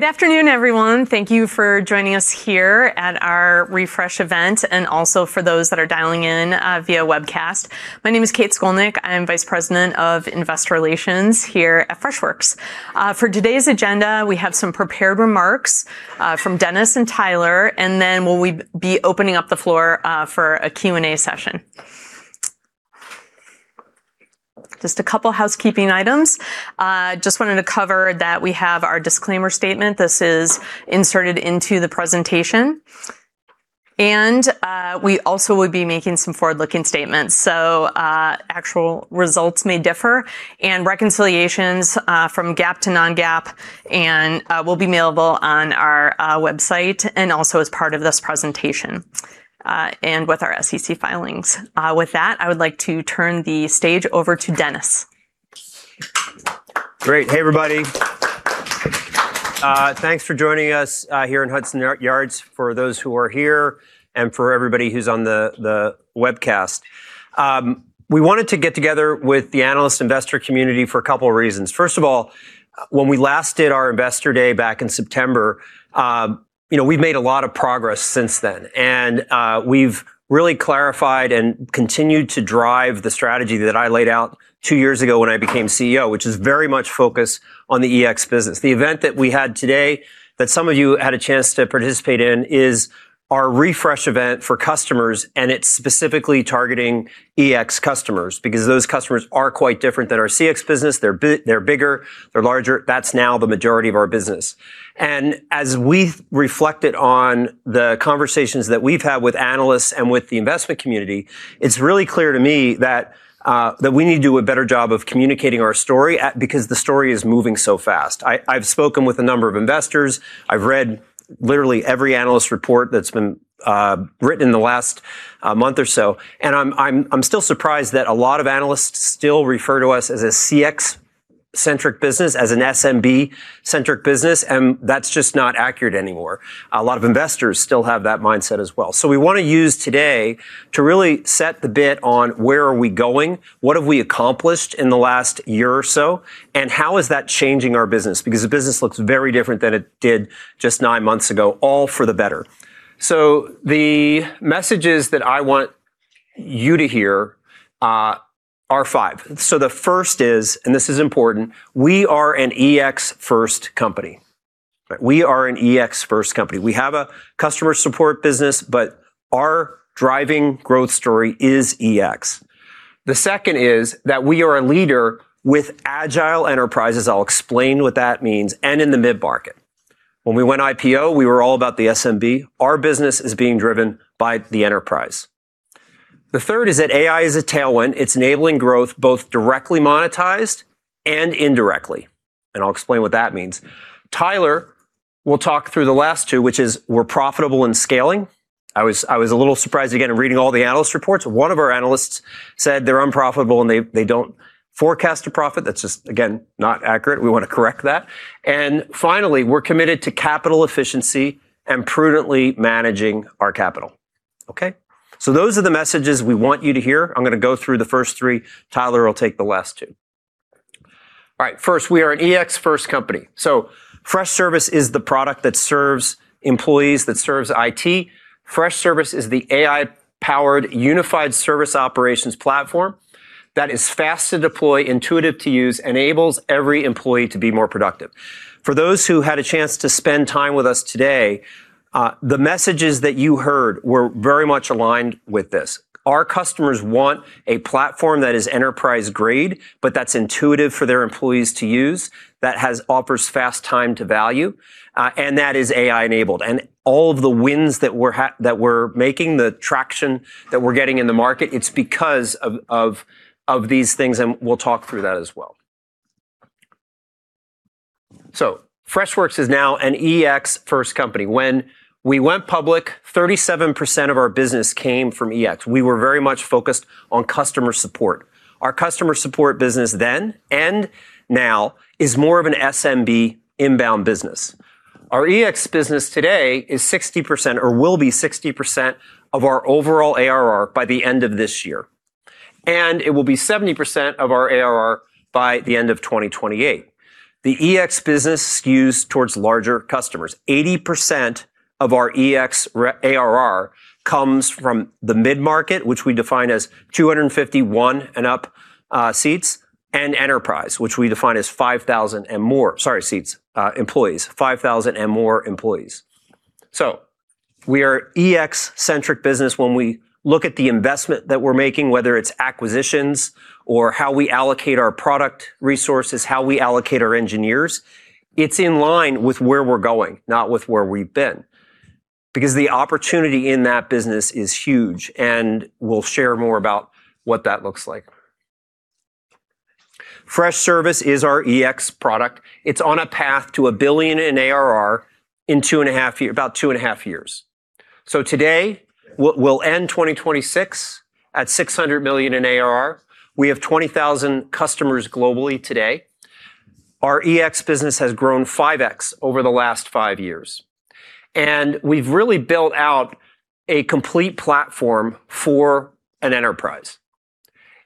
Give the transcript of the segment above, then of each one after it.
Good afternoon, everyone. Thank you for joining us here at our Refresh event and also for those that are dialing in via webcast. My name is Kate Scolnick. I am Vice President of Investor Relations here at Freshworks. For today's agenda, we have some prepared remarks from Dennis and Tyler, and then we'll be opening up the floor for a Q&A session. Just a couple housekeeping items. Just wanted to cover that we have our disclaimer statement. This is inserted into the presentation. We also will be making some forward-looking statements. Actual results may differ, and reconciliations from GAAP to non-GAAP will be available on our website and also as part of this presentation and with our SEC filings. With that, I would like to turn the stage over to Dennis. Great. Hey, everybody. Thanks for joining us here in Hudson Yards for those who are here and for everybody who's on the webcast. We wanted to get together with the analyst investor community for a couple reasons. First of all, when we last did our investor day back in September, you know, we've made a lot of progress since then. We've really clarified and continued to drive the strategy that I laid out two years ago when I became CEO, which is very much focused on the EX business. The event that we had today that some of you had a chance to participate in is our Refresh event for customers, and it's specifically targeting EX customers because those customers are quite different than our CX business. They're bigger, they're larger. That's now the majority of our business. As we've reflected on the conversations that we've had with analysts and with the investment community, it's really clear to me that we need to do a better job of communicating our story because the story is moving so fast. I've spoken with a number of investors. I've read literally every analyst report that's been written in the last month or so. I'm still surprised that a lot of analysts still refer to us as a CX-centric business, as an SMB-centric business, and that's just not accurate anymore. A lot of investors still have that mindset as well. We wanna use today to really set the bit on where are we going, what have we accomplished in the last year or so, and how is that changing our business because the business looks very different than it did just nine months ago, all for the better. The messages that I want you to hear are five. The first is, and this is important, we are an EX-first company. We are an EX-first company. We have a customer support business, but our driving growth story is EX. The second is that we are a leader with agile enterprises, I'll explain what that means, and in the mid-market. When we went IPO, we were all about the SMB. Our business is being driven by the enterprise. The third is that AI is a tailwind. It's enabling growth both directly monetized and indirectly, and I'll explain what that means. Tyler will talk through the last two, which is we're profitable and scaling. I was a little surprised again reading all the analyst reports. One of our analysts said they're unprofitable, and they don't forecast a profit. That's just, again, not accurate. We wanna correct that. Finally, we're committed to capital efficiency and prudently managing our capital. Okay? Those are the messages we want you to hear. I'm gonna go through the first three. Tyler will take the last two. All right. First, we are an EX-first company. Freshservice is the product that serves employees, that serves IT. Freshservice is the AI-powered unified service operations platform that is fast to deploy, intuitive to use, enables every employee to be more productive. For those who had a chance to spend time with us today, the messages that you heard were very much aligned with this. Our customers want a platform that is enterprise grade but that's intuitive for their employees to use, that offers fast time to value, and that is AI-enabled. All of the wins that we're making, the traction that we're getting in the market, it's because of these things, and we'll talk through that as well. Freshworks is now an EX-first company. When we went public, 37% of our business came from EX. We were very much focused on customer support. Our customer support business then and now is more of an SMB inbound business. Our EX business today is 60% or will be 60% of our overall ARR by the end of this year. It will be 70% of our ARR by the end of 2028. The EX business skews towards larger customers. 80% of our EX ARR comes from the mid-market, which we define as 251 and up, seats and enterprise, which we define as 5,000 and more. Sorry, seats. Employees. 5,000 and more employees. We are EX-centric business when we look at the investment that we're making, whether it's acquisitions or how we allocate our product resources, how we allocate our engineers. It's in line with where we're going, not with where we've been because the opportunity in that business is huge, and we'll share more about what that looks like. Freshservice is our EX product. It's on a path to $1 billion in ARR in about two and a half years. Today, we'll end 2026 at $600 million in ARR. We have 20,000 customers globally today. Our EX business has grown 5x over the last five years. We've really built out a complete platform for an enterprise.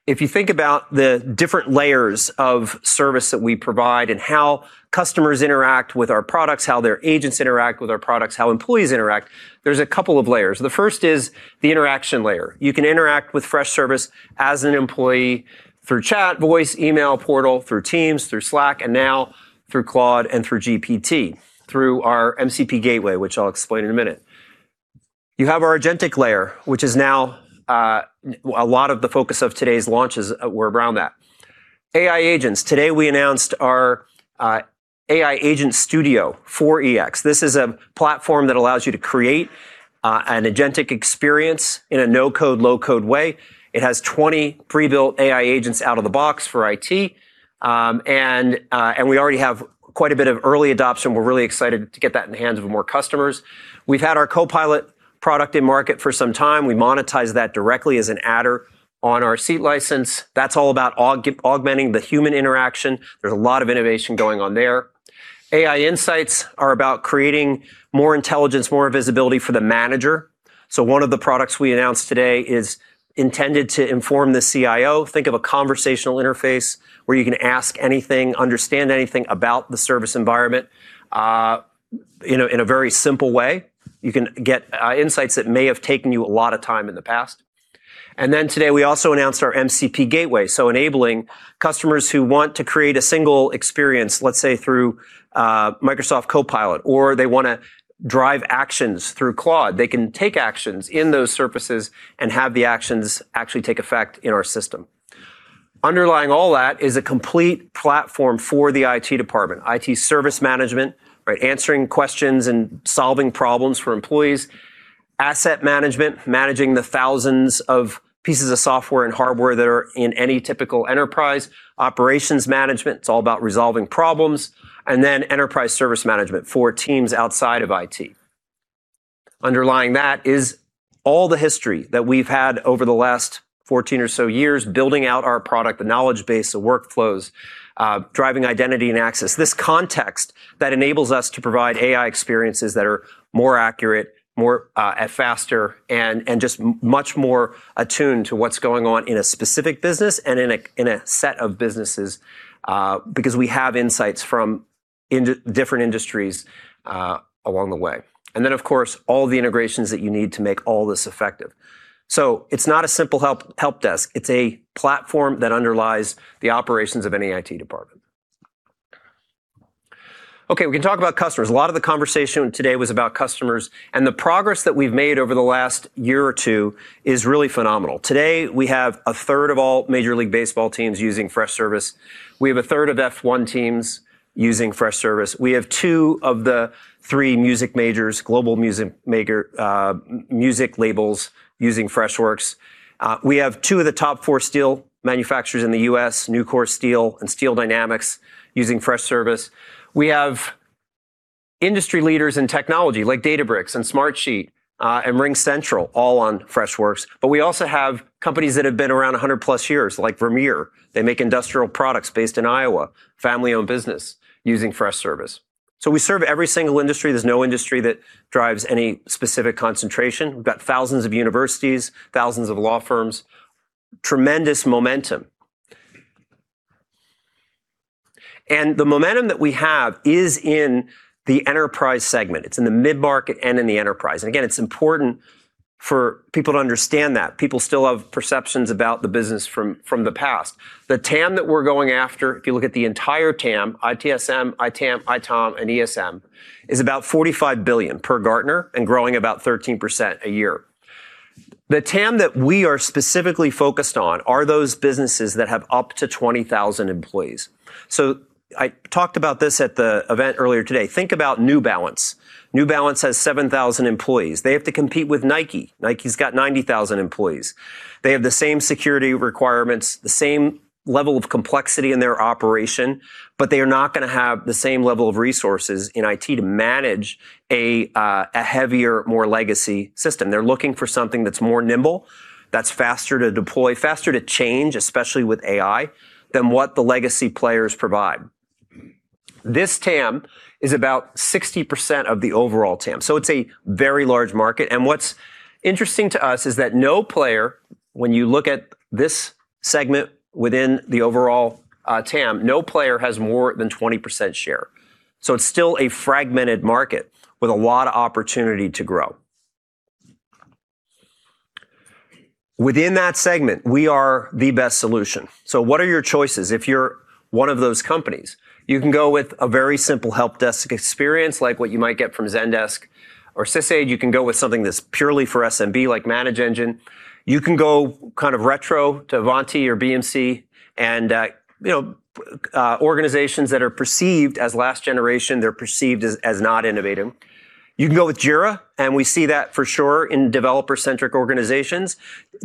If you think about the different layers of service that we provide and how customers interact with our products, how their agents interact with our products, how employees interact, there's a couple of layers. The first is the interaction layer. You can interact with Freshservice as an employee through chat, voice, email, portal, through Teams, through Slack, and now through Claude and through GPT, through our MCP gateway, which I'll explain in a minute. You have our agentic layer, which is now a lot of the focus of today's launches were around that. AI agents. Today, we announced our AI Agent Studio for EX. This is a platform that allows you to create an agentic experience in a no-code, low-code way. It has 20 pre-built AI agents out of the box for IT. We already have quite a bit of early adoption. We're really excited to get that in the hands of more customers. We've had our Copilot product in market for some time. We monetize that directly as an adder on our seat license. That's all about augmenting the human interaction. There's a lot of innovation going on there. AI insights are about creating more intelligence, more visibility for the manager. One of the products we announced today is intended to inform the CIO. Think of a conversational interface where you can ask anything, understand anything about the service environment, you know, in a very simple way. You can get insights that may have taken you a lot of time in the past. Today, we also announced our MCP gateway. Enabling customers who want to create a single experience, let's say through Microsoft Copilot, or they wanna drive actions through Claude, they can take actions in those surfaces and have the actions actually take effect in our system. Underlying all that is a complete platform for the IT department, IT service management, right? Answering questions and solving problems for employees. Asset management, managing the thousands of pieces of software and hardware that are in any typical enterprise. Operations management, it's all about resolving problems. Enterprise service management for teams outside of IT. Underlying that is all the history that we've had over the last 14 or so years, building out our product, the knowledge base, the workflows, driving identity and access. This context that enables us to provide AI experiences that are more accurate, more faster and just much more attuned to what's going on in a specific business and in a set of businesses, because we have insights from different industries along the way. Of course, all the integrations that you need to make all this effective. It's not a simple help desk. It's a platform that underlies the operations of any IT department. Okay, we can talk about customers. A lot of the conversation today was about customers, the progress that we've made over the last year or 2 is really phenomenal. Today, we have a third of all Major League Baseball teams using Freshservice. We have a third of Formula One teams using Freshservice. We have two of the three music majors, global music major, music labels using Freshworks. We have two of the top four steel manufacturers in the U.S., Nucor Steel and Steel Dynamics, using Freshservice. We have industry leaders in technology like Databricks and Smartsheet, and RingCentral, all on Freshworks. We also have companies that have been around 100+ years, like Vermeer. They make industrial products based in Iowa, family-owned business using Freshservice. We serve every single industry. There's no industry that drives any specific concentration. We've got 1,000 of universities, 1,000 of law firms. Tremendous momentum. The momentum that we have is in the enterprise segment. It's in the mid-market and in the enterprise. Again, it's important for people to understand that. People still have perceptions about the business from the past. The TAM that we're going after, if you look at the entire TAM, ITSM, ITAM, ITOM, and ESM, is about $45 billion per Gartner and growing about 13% a year. The TAM that we are specifically focused on are those businesses that have up to 20,000 employees. I talked about this at the event earlier today. Think about New Balance. New Balance has 7,000 employees. They have to compete with Nike. Nike's got 90,000 employees. They have the same security requirements, the same level of complexity in their operation, but they are not gonna have the same level of resources in IT to manage a heavier, more legacy system. They're looking for something that's more nimble, that's faster to deploy, faster to change, especially with AI, than what the legacy players provide. This TAM is about 60% of the overall TAM, so it's a very large market. What's interesting to us is that no player, when you look at this segment within the overall TAM, no player has more than 20% share. It's still a fragmented market with a lot of opportunity to grow. Within that segment, we are the best solution. What are your choices if you're one of those companies? You can go with a very simple help desk experience like what you might get from Zendesk or SysAid. You can go with something that's purely for SMB, like ManageEngine. You can go kind of retro to Ivanti or BMC and, you know, organizations that are perceived as last generation, they're perceived as not innovative. You can go with Jira. We see that for sure in developer-centric organizations.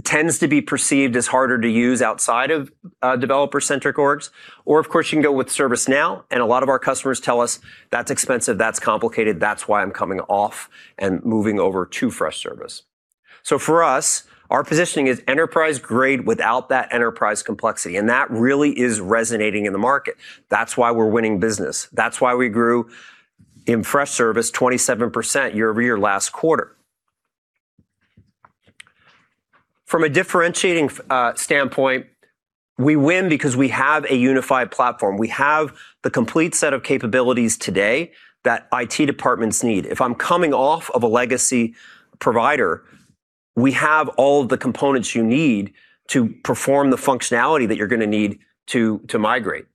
Tends to be perceived as harder to use outside of developer-centric orgs. Of course, you can go with ServiceNow. A lot of our customers tell us, "That's expensive, that's complicated. That's why I'm coming off and moving over to Freshservice." For us, our positioning is enterprise grade without that enterprise complexity. That really is resonating in the market. That's why we're winning business. That's why we grew in Freshservice 27% year-over-year last quarter. From a differentiating standpoint, we win because we have a unified platform. We have the complete set of capabilities today that IT departments need. If I'm coming off of a legacy provider, we have all the components you need to perform the functionality that you're gonna need to migrate.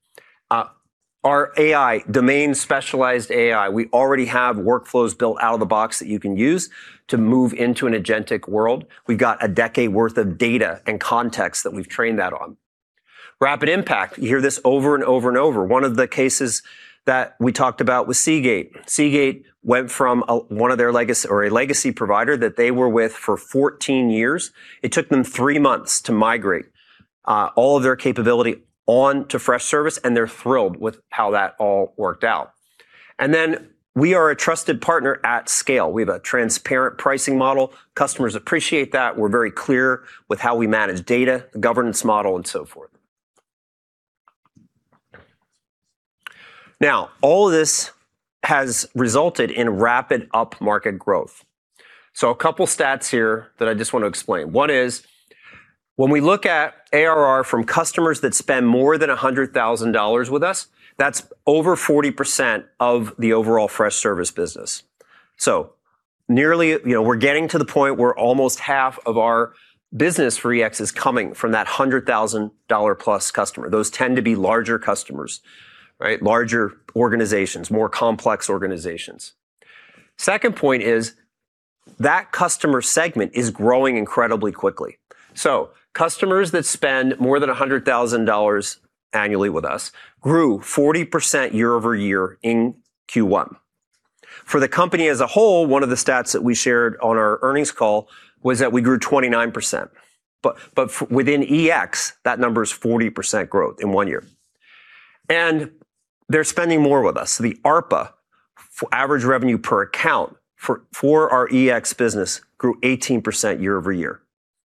Our AI, domain specialized AI, we already have workflows built out of the box that you can use to move into an agentic world. We've got a decade worth of data and context that we've trained that on. Rapid impact. You hear this over and over, and over. One of the cases that we talked about was Seagate. Seagate went from one of their legacy or a legacy provider that they were with for 14 years. It took them three months to migrate all of their capability onto Freshservice, and they're thrilled with how that all worked out. We are a trusted partner at scale. We have a transparent pricing model. Customers appreciate that. We're very clear with how we manage data, the governance model, and so forth. Now, all of this has resulted in rapid upmarket growth. A couple stats here that I just wanna explain. One is when we look at ARR from customers that spend more than $100,000 with us, that's over 40% of the overall Freshservice business. Nearly You know, we're getting to the point where almost half of our business for EX is coming from that $100,000-plus customer. Those tend to be larger customers, right. Larger organizations, more complex organizations. Second point is that customer segment is growing incredibly quickly. Customers that spend more than $100,000 annually with us grew 40% year-over-year in Q1. For the company as a whole, one of the stats that we shared on our earnings call was that we grew 29%. Within EX, that number is 40% growth in one year. They're spending more with us. The ARPA, average revenue per account for our EX business grew 18% year-over-year.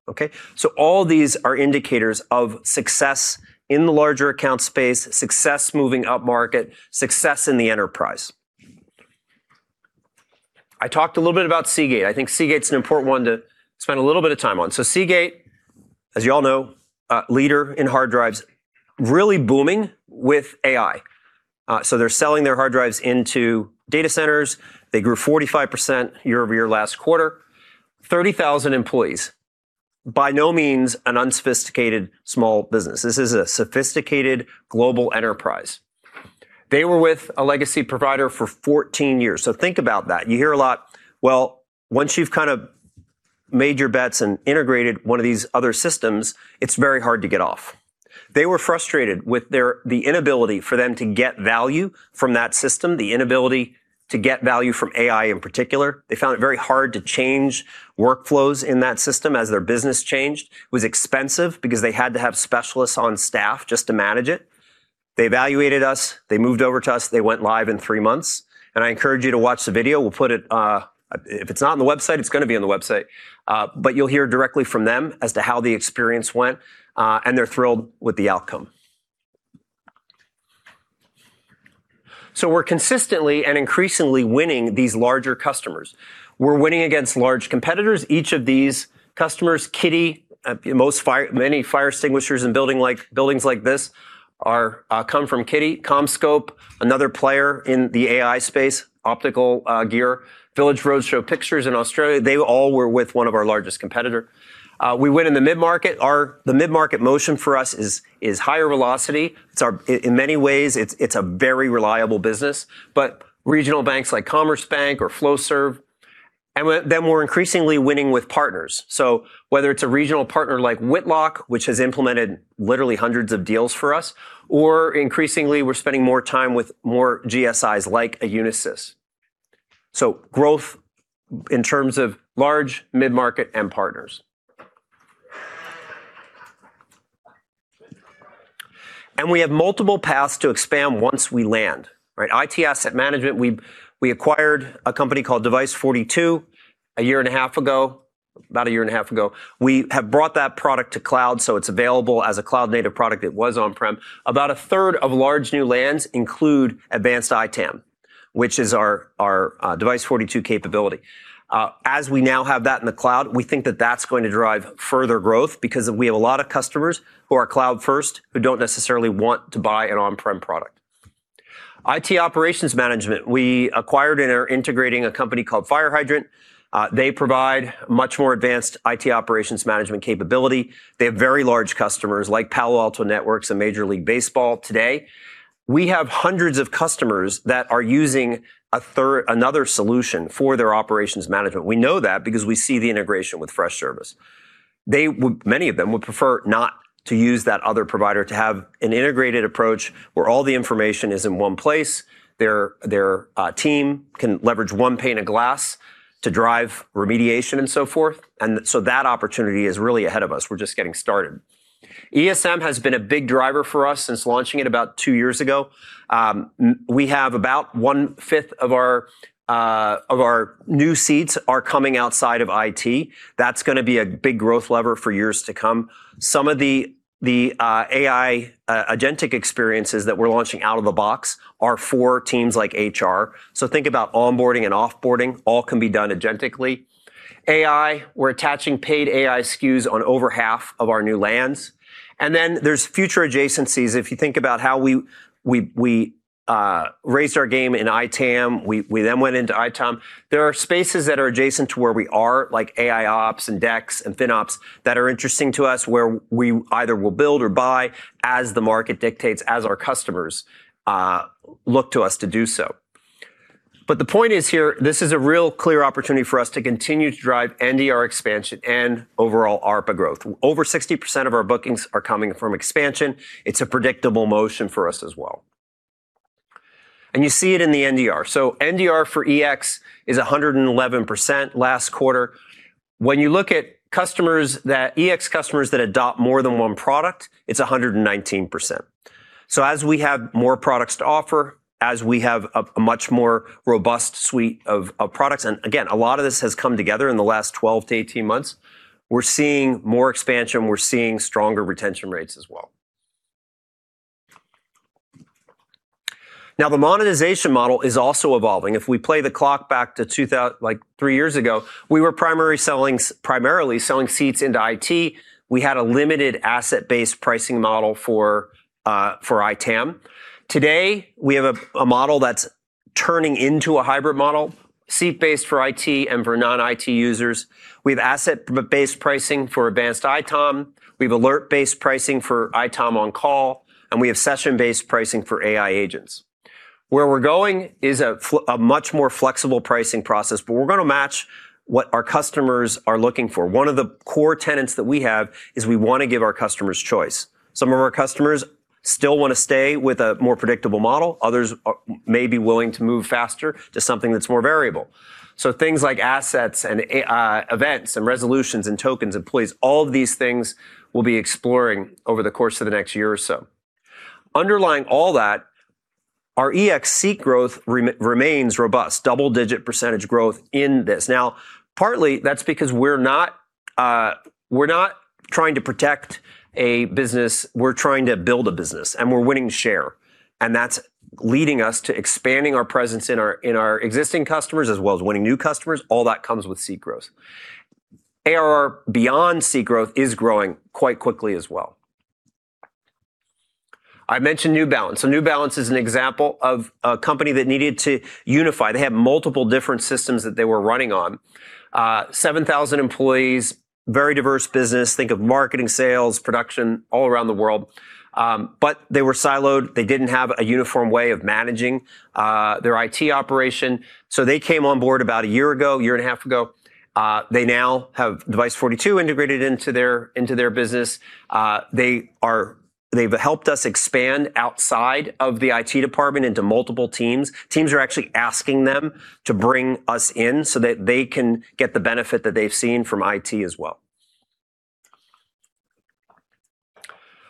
Okay? All these are indicators of success in the larger account space, success moving up market, success in the enterprise. I talked a little bit about Seagate. I think Seagate's an important one to spend a little bit of time on. Seagate, as you all know, a leader in hard drives, really booming with AI. They're selling their hard drives into data centers. They grew 45% year-over-year last quarter. 30,000 employees. By no means an unsophisticated small business. This is a sophisticated global enterprise. They were with a legacy provider for 14 years. Think about that. You hear a lot, well, once you've kinda made your bets and integrated one of these other systems, it's very hard to get off. They were frustrated with their the inability for them to get value from that system, the inability to get value from AI in particular. They found it very hard to change workflows in that system as their business changed. It was expensive because they had to have specialists on staff just to manage it. They evaluated us. They moved over to us. They went live in three months. I encourage you to watch the video. We'll put it, if it's not on the website, it's gonna be on the website. You'll hear directly from them as to how the experience went, and they're thrilled with the outcome. We're consistently and increasingly winning these larger customers. We're winning against large competitors, each of these customers, Kidde, many fire extinguishers in buildings like this come from Kidde. CommScope, another player in the AI space, optical gear. Village Roadshow Pictures in Australia, they all were with one of our largest competitor. We win in the mid-market. The mid-market motion for us is higher velocity. In many ways, it's a very reliable business, but regional banks like Commerce Bank or Flowserve. We're increasingly winning with partners. Whether it's a regional partner like Whitlock, which has implemented literally hundreds of deals for us, or increasingly we're spending more time with more GSIs like a Unisys. We have multiple paths to expand once we land, right? IT asset management, we acquired a company called Device42 a year and a half ago. We have brought that product to cloud, so it's available as a cloud-native product. It was on-prem. About a third of large new lands include advanced ITAM, which is our Device42 capability. As we now have that in the cloud, we think that that's going to drive further growth because we have a lot of customers who are cloud first who don't necessarily want to buy an on-prem product. IT operations management, we acquired and are integrating a company called FireHydrant. They provide much more advanced IT operations management capability. They have very large customers like Palo Alto Networks and Major League Baseball today. We have 100 of customers that are using another solution for their operations management. We know that because we see the integration with Freshservice. They would, many of them would prefer not to use that other provider, to have an integrated approach where all the information is in one place. Their team can leverage one pane of glass to drive remediation and so forth. That opportunity is really ahead of us. We're just getting started. ESM has been a big driver for us since launching it about two years ago. We have about one-fifth of our new seats are coming outside of IT. That's gonna be a big growth lever for years to come. Some of the AI agentic experiences that we're launching out of the box are for teams like HR. Think about onboarding and off-boarding, all can be done agentically. AI, we're attaching paid AI SKUs on over half of our new lands. There's future adjacencies. If you think about how we raised our game in ITAM, we then went into ITOM. There are spaces that are adjacent to where we are, like AIOps and DEX and FinOps, that are interesting to us, where we either will build or buy as the market dictates, as our customers look to us to do so. The point is here, this is a real clear opportunity for us to continue to drive NDR expansion and overall ARPA growth. Over 60% of our bookings are coming from expansion. It's a predictable motion for us as well. You see it in the NDR. NDR for EX is 111% last quarter. When you look at EX customers that adopt more than one product, it's 119%. As we have more products to offer, as we have a much more robust suite of products, and again, a lot of this has come together in the last 12-18 months, we're seeing more expansion, we're seeing stronger retention rates as well. The monetization model is also evolving. If we play the clock back to three years ago, we were primarily selling seats into IT. We had a limited asset-based pricing model for ITAM. Today, we have a model that's turning into a hybrid model, seat-based for IT and for non-IT users. We have asset-based pricing for advanced ITOM. We have alert-based pricing for ITOM on call. We have session-based pricing for AI agents. Where we're going is a much more flexible pricing process. We're gonna match what our customers are looking for. One of the core tenets that we have is we wanna give our customers choice. Some of our customers still wanna stay with a more predictable model. Others may be willing to move faster to something that's more variable. Things like assets and events and resolutions and tokens, employees, all of these things we'll be exploring over the course of the next year or so. Underlying all that, our EX seat growth remains robust, double-digit % growth in this. Now, partly, that's because we're not trying to protect a business. We're trying to build a business, and we're winning share. That's leading us to expanding our presence in our existing customers, as well as winning new customers. All that comes with seat growth. ARR beyond seat growth is growing quite quickly as well. I mentioned New Balance. New Balance is an example of a company that needed to unify. They had multiple different systems that they were running on. 7,000 employees, very diverse business. Think of marketing, sales, production all around the world. They were siloed. They didn't have a uniform way of managing their IT operation. They came on board about a year ago, a year and a half ago. They now have Device42 integrated into their business. They've helped us expand outside of the IT department into multiple teams. Teams are actually asking them to bring us in so that they can get the benefit that they've seen from IT as well.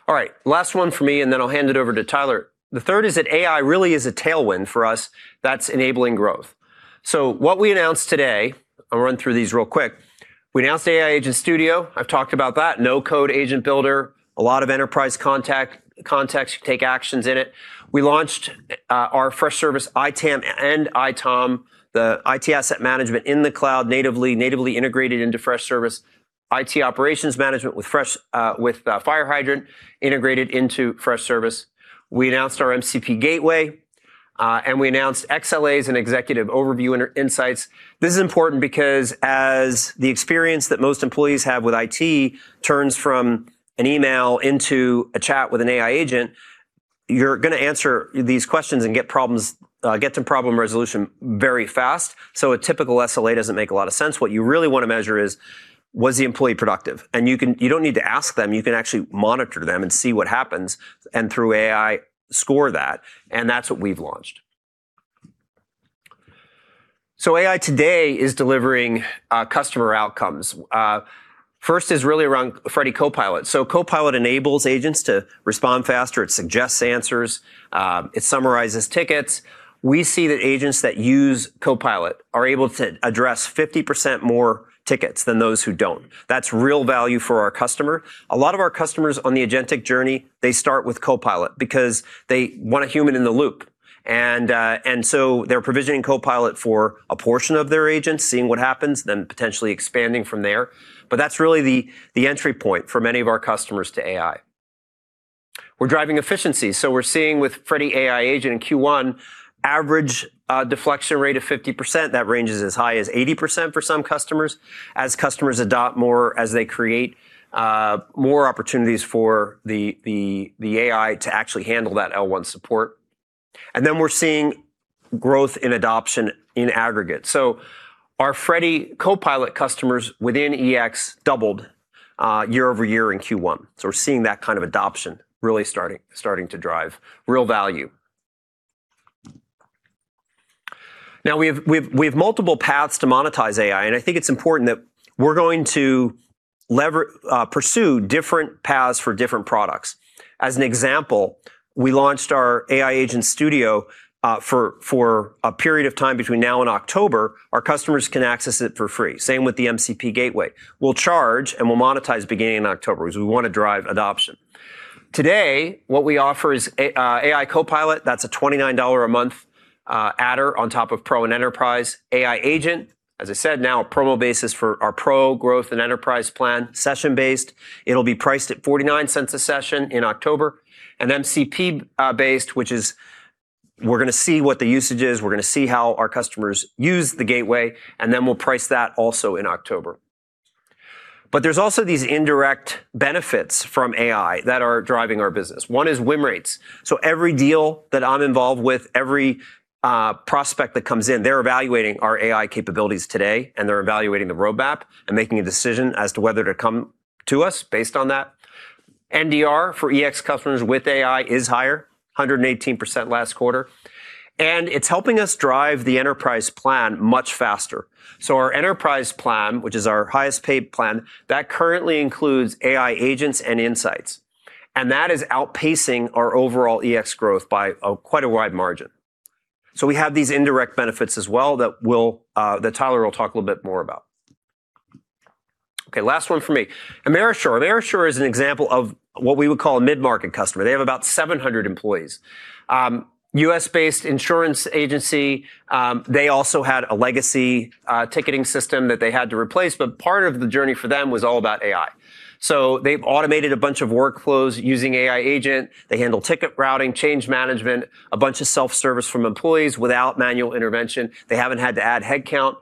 All right, last one for me, and then I'll hand it over to Tyler. The third is that AI really is a tailwind for us that's enabling growth. What we announced today, I'll run through these real quick. We announced AI Agent Studio. I've talked about that, no-code agent builder, a lot of enterprise contact, context. You take actions in it. We launched our Freshservice, ITAM and ITOM, the IT asset management in the cloud, natively integrated into Freshservice, IT operations management with FireHydrant integrated into Freshservice. We announced our MCP gateway, and we announced XLAs and executive overview insights. This is important because as the experience that most employees have with IT turns from an email into a chat with an AI agent, you're gonna answer these questions and get to problem resolution very fast. A typical SLA doesn't make a lot of sense. What you really wanna measure is, was the employee productive? You don't need to ask them. You can actually monitor them and see what happens, through AI, score that's what we've launched. AI today is delivering customer outcomes. First is really around Freddy Copilot. Copilot enables agents to respond faster. It suggests answers. It summarizes tickets. We see that agents that use Copilot are able to address 50% more tickets than those who don't. That's real value for our customer. A lot of our customers on the agentic journey, they start with Copilot because they want a human in the loop. They're provisioning Copilot for a portion of their agents, seeing what happens, then potentially expanding from there. That's really the entry point for many of our customers to AI. We're driving efficiency. We're seeing with Freddy AI Agent in Q1, average deflection rate of 50%. That ranges as high as 80% for some customers. As customers adopt more, as they create more opportunities for the AI to actually handle that L1 support. We're seeing growth in adoption in aggregate. Our Freddy Copilot customers within EX doubled year-over-year in Q1. We're seeing that kind of adoption really starting to drive real value. Now, we have multiple paths to monetize AI, and I think it's important that we're going to pursue different paths for different products. As an example, we launched our AI Agent Studio for a period of time between now and October. Our customers can access it for free. Same with the MCP gateway. We'll charge, and we'll monetize beginning in October 'cause we wanna drive adoption. Today, what we offer is Freddy Copilot. That's a $29-a-month adder on top of Pro and Enterprise. AI Agent, as I said, now promo-basis for our Pro growth and Enterprise plan, session-based. It'll be priced at $0.49 a session in October. MCP based, which is we're gonna see what the usage is, we're gonna see how our customers use the gateway, and then we'll price that also in October. There's also these indirect benefits from AI that are driving our business. One is win rates. Every deal that I'm involved with, every prospect that comes in, they're evaluating our AI capabilities today, and they're evaluating the roadmap and making a decision as to whether to come to us based on that. NDR for EX customers with AI is higher, 118% last quarter. It's helping us drive the Enterprise plan much faster. Our Enterprise plan, which is our highest paid plan, that currently includes AI agents and insights, and that is outpacing our overall EX growth by a quite a wide margin. We have these indirect benefits as well that Tyler will talk a little bit more about. Okay, last one for me. Amerisure. Amerisure is an example of what we would call a mid-market customer. They have about 700 employees. U.S.-based insurance agency. They also had a legacy ticketing system that they had to replace, but part of the journey for them was all about AI. They've automated a bunch of workflows using AI Agent. They handle ticket routing, change management, a bunch of self-service from employees without manual intervention. They haven't had to add headcount.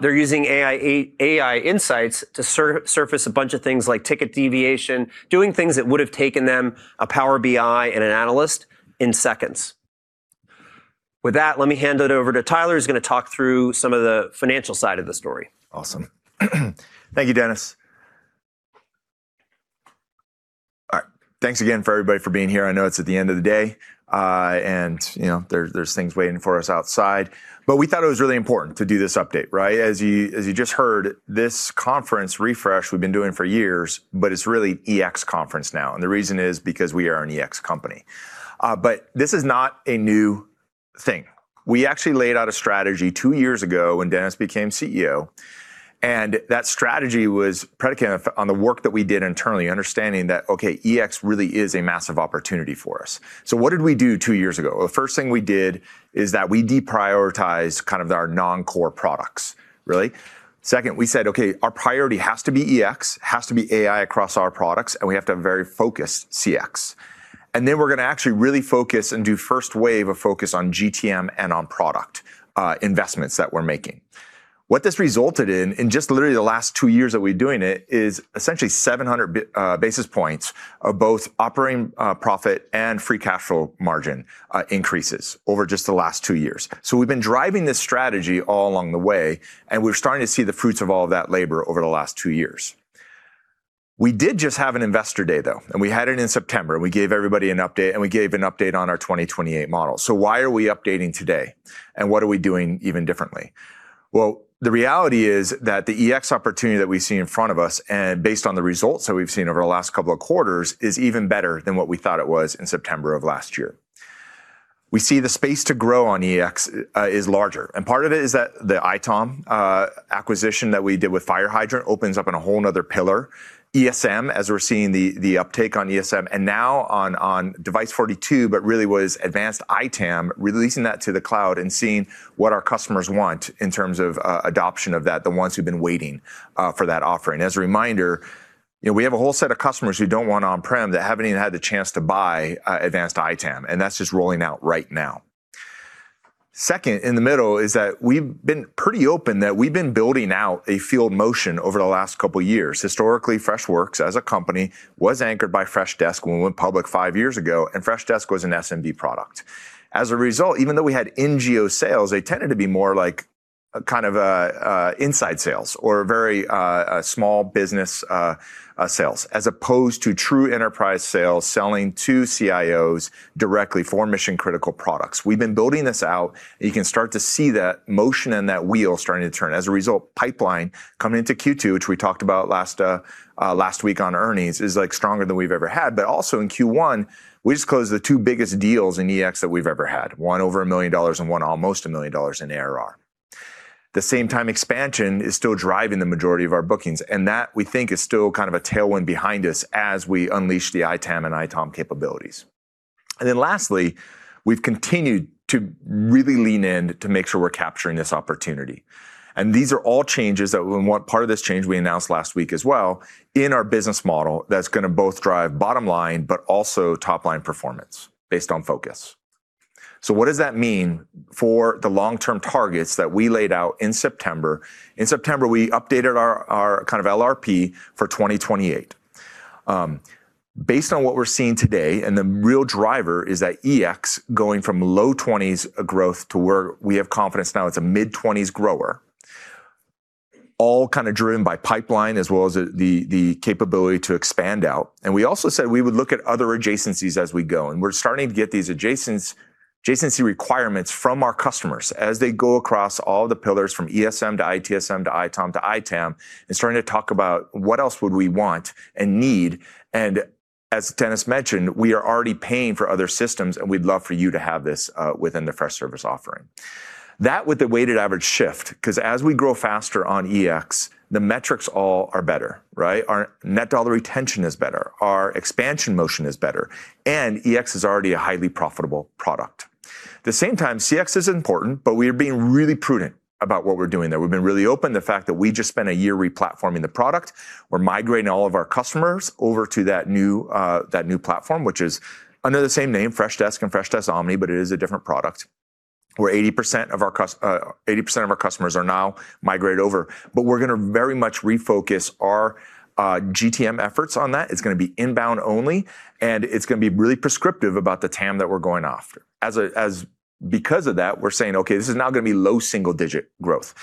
They're using AI insights to surface a bunch of things like ticket deviation, doing things that would have taken them a Power BI and an analyst in seconds. With that, let me hand it over to Tyler, who's going to talk through some of the financial side of the story. Awesome. Thank you, Dennis. All right. Thanks again for everybody for being here. I know it's at the end of the day, and, you know, there's things waiting for us outside. We thought it was really important to do this update, right? As you, as you just heard, this conference refresh we've been doing for years, but it's really EX conference now, and the reason is because we are an EX company. This is not a new thing. We actually laid out a strategy two years ago when Dennis became CEO, and that strategy was predicated on the work that we did internally, understanding that, okay, EX really is a massive opportunity for us. What did we do two years ago? The first thing we did is that we deprioritized kind of our non-core products, really. Second, we said, Okay, our priority has to be EX, has to be AI across our products, and we have to have very focused CX. Then we're gonna actually really focus and do first wave of focus on GTM and on product investments that we're making. What this resulted in just literally the last two years that we're doing it, is essentially 700 basis points of both operating profit and free cash flow margin increases over just the last two years. We've been driving this strategy all along the way, and we're starting to see the fruits of all that labor over the last two years. We did just have an Investor Day, though, and we had it in September. We gave everybody an update, we gave an update on our 2028 model. Why are we updating today, and what are we doing even differently? Well, the reality is that the EX opportunity that we see in front of us and based on the results that we've seen over the last couple of quarters, is even better than what we thought it was in September of last year. We see the space to grow on EX is larger, and part of it is that the ITOM acquisition that we did with FireHydrant opens up in a whole another pillar. ESM, as we're seeing the uptake on ESM and now on Device42, but really was advanced ITAM, releasing that to the cloud and seeing what our customers want in terms of adoption of that, the ones who've been waiting for that offering. As a reminder, you know, we have a whole set of customers who don't want on-prem that haven't even had the chance to buy advanced ITAM, and that's just rolling out right now. Second, in the middle is that we've been pretty open that we've been building out a field motion over the last couple years. Historically, Freshworks as a company was anchored by Freshdesk when we went public five years ago. Freshdesk was an SMB product. As a result, even though we had NGO sales, they tended to be more like a kind of an inside sales or very small business sales, as opposed to true enterprise sales selling to CIOs directly for mission-critical products. We've been building this out. You can start to see that motion and that wheel starting to turn. As a result, pipeline coming into Q2, which we talked about last week on earnings, is like stronger than we've ever had. In Q1, we just closed the two biggest deals in EX that we've ever had, one over $1 million and one almost $1 million in ARR. The same time expansion is still driving the majority of our bookings, and that, we think, is still kind of a tailwind behind us as we unleash the ITAM and ITOM capabilities. Lastly, we've continued to really lean in to make sure we're capturing this opportunity. Part of this change we announced last week as well in our business model that's gonna both drive bottom line, but also top line performance based on focus. What does that mean? For the long-term targets that we laid out in September, we updated our kind of LRP for 2028. Based on what we're seeing today, the real driver is that EX going from low 20s growth to where we have confidence now it's a mid-20s grower, all kind of driven by pipeline as well as the capability to expand out. We also said we would look at other adjacencies as we go, and we're starting to get these adjacency requirements from our customers as they go across all the pillars from ESM to ITSM to ITOM to ITAM, and starting to talk about what else would we want and need. As Dennis mentioned, we are already paying for other systems, and we'd love for you to have this within the Freshservice offering. That with the weighted average shift, 'cause as we grow faster on EX, the metrics all are better, right? Our net dollar retention is better, our expansion motion is better, and EX is already a highly profitable product. The same time, CX is important, but we are being really prudent about what we're doing there. We've been really open the fact that we just spent a year re-platforming the product. We're migrating all of our customers over to that new, that new platform, which is under the same name, Freshdesk and Freshdesk Omni, but it is a different product, where 80% of our customers are now migrated over. We're gonna very much refocus our GTM efforts on that. It's gonna be inbound only, and it's gonna be really prescriptive about the TAM that we're going after. Because of that, we're saying, "Okay, this is now gonna be low single-digit growth."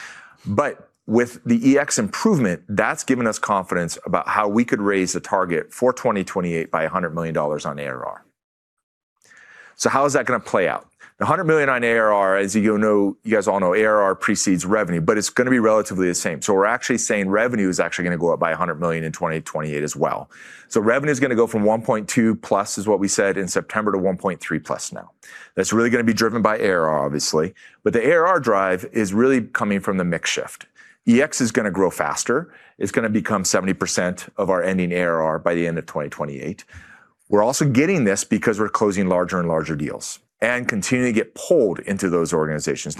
With the EX improvement, that's given us confidence about how we could raise the target for 2028 by $100 million on ARR. How is that gonna play out? The $100 million on ARR, as you know, you guys all know, ARR precedes revenue, but it's gonna be relatively the same. We're actually saying revenue is actually gonna go up by $100 million in 2028 as well. Revenue is gonna go from $1.2+ billion, is what we said in September, to $1.3+ billion now. That's really gonna be driven by ARR, obviously. The ARR drive is really coming from the mix shift. EX is gonna grow faster. It's gonna become 70% of our ending ARR by the end of 2028. We're also getting this because we're closing larger and larger deals and continuing to get pulled into those organizations.